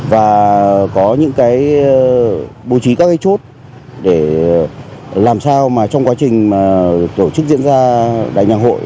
và có những cái bố trí các cái chốt để làm sao mà trong quá trình mà tổ chức diễn ra đại nhạc hội